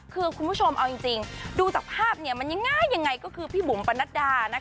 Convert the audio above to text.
คือคุณผู้ชมเอาจริงดูจากภาพเนี่ยมันง่ายยังไงก็คือพี่บุ๋มประนัดดานะคะ